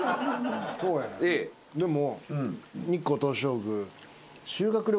でも。